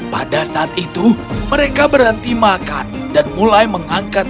pada saat itu mereka berhenti makan dan mulai mengangkat